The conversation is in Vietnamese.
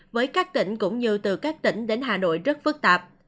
với các tỉnh cũng như từ các tỉnh đến hà nội rất phức tạp